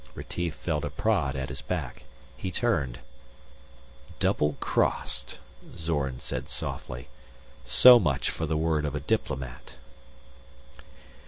Retief felt a prod at his back. He turned. "Doublecrossed," Zorn said softly. "So much for the word of a diplomat."